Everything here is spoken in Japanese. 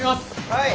はい。